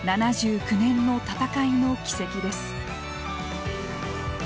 ７９年の戦いの軌跡です。